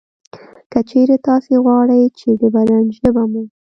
که چېرې تاسې غواړئ چې د بدن ژبه مو